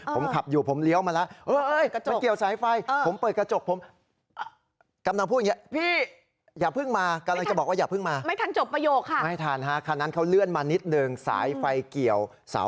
ผมขับอยู่ผมเลี้ยวมาแล้ว